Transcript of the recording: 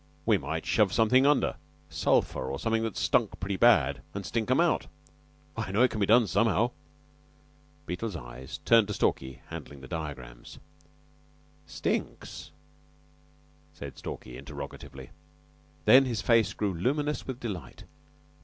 We might shove somethin' under sulphur, or something that stunk pretty bad an' stink 'em out. I know it can be done somehow." Beetle's eyes turned to Stalky handling the diagrams. "Stinks?" said Stalky interrogatively. Then his face grew luminous with delight.